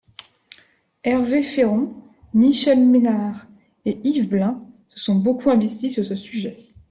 Hervé Féron, Michel Ménard et Yves Blein se sont beaucoup investis sur ce sujet.